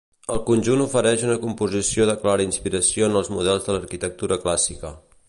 El conjunt ofereix una composició de clara inspiració en els models de l'arquitectura clàssica.